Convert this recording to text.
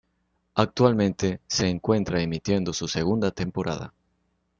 Actualmente se encuentra emitiendo su segunda temporada.